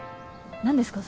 何ですか？